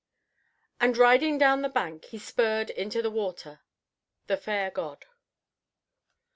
And riding down the bank, he spurred into the water. _The Fair God.